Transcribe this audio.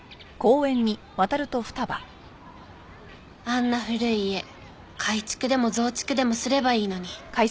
あんな古い家改築でも増築でもすればいいのに。